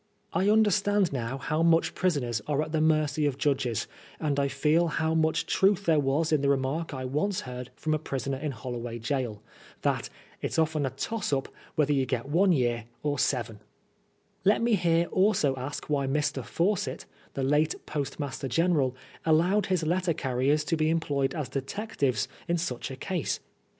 I understand now how much prisoners are at the mercy of judges, and I feel how much truth there was in the remark I once heard from a prisoner in Holloway Oaol, that " it's often a toss up whether you get one y^r or seven," Let me here also ask why Mr. Fawcett, the late Post master General, allowed his letter carriers to be em ployed as detectives in such a case.